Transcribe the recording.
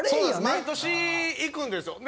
毎年行くんですよ。